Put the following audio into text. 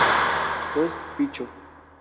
Os ficho".